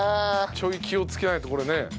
ちょい気をつけないとこれね。